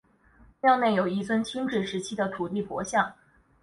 庙内有一尊清治时期的土地婆像。